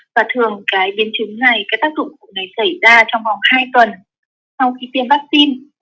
và thường biến chứng này tác dụng của nó xảy ra trong vòng hai tuần sau khi tiêm vaccine